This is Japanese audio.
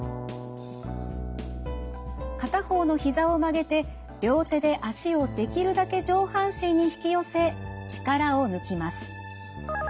片方のひざを曲げて両手で脚をできるだけ上半身に引き寄せ力を抜きます。